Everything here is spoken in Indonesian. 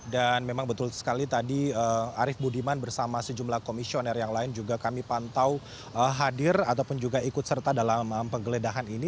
dan memang betul sekali tadi arief budiman bersama sejumlah komisioner yang lain juga kami pantau hadir ataupun juga ikut serta dalam penggeledahan ini